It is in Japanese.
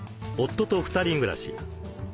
夫と２人暮らし。